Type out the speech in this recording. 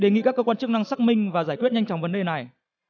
đề nghị các cơ quan chức năng xác minh và giải quyết nhanh chóng vấn đề này